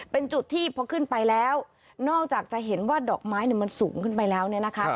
เป็นจุดที่พอขึ้นไปแล้วนอกจากจะเห็นว่าดอกไม้มันสูงขึ้นไปแล้วเนี่ยนะคะ